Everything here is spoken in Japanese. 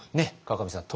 河上さん。